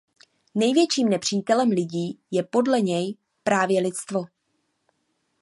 Největším nepřítelem lidí je podle něj právě „lidstvo“.